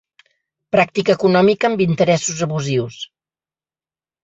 Pràctica econòmica amb interessos abusius.